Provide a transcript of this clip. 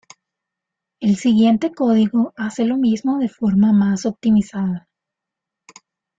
El siguiente código hace lo mismo de forma más optimizada.